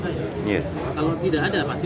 kalau tidak ada pasti saya gak akan beli